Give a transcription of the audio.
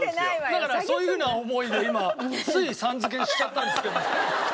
だからそういうふうな思いで今つい「さん」付けしちゃったんですけど。